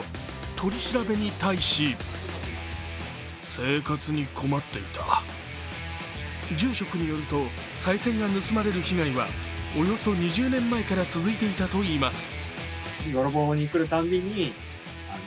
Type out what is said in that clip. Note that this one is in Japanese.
取り調べに対し住職によると、さい銭が盗まれる被害はおよそ２０年前から続いていたといいます。